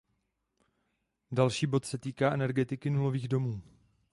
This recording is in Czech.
Další bod se týká energeticky nulových domů.